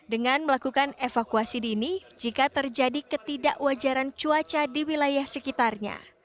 dengan melakukan evakuasi dini jika terjadi ketidakwajaran cuaca di wilayah sekitarnya